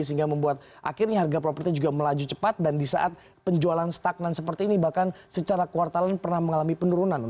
sehingga membuat akhirnya harga properti juga melaju cepat dan di saat penjualan stagnan seperti ini bahkan secara kuartalan pernah mengalami penurunan